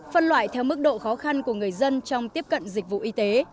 phân loại theo mức độ khó khăn của người dân trong tiếp cận dịch vụ y tế